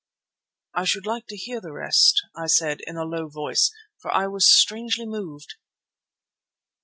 "I should like to hear the rest," I said in a low voice, for I was strangely moved.